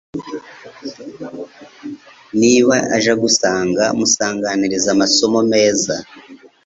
niba aje agusanga musanganize amasomo meza